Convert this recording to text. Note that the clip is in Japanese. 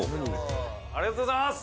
「ありがとうございます！